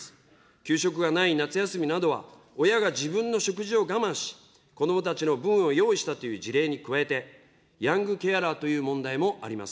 給食がない夏休みなどは、親が自分の食事を我慢し、子どもたちの分を用意したという事例に加えて、ヤングケアラーという問題もあります。